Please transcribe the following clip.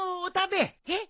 えっ？